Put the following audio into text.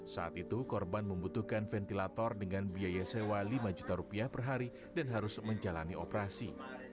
saat itu korban membutuhkan ventilator dengan biaya sewa lima juta rupiah per hari dan harus menjalani operasi